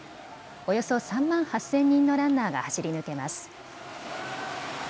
およそ３万８０００人のランナーが走り抜けます。